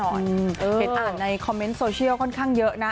เห็นอ่านในคอมเมนต์โซเชียลค่อนข้างเยอะนะ